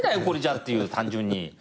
これじゃあっていう単純に。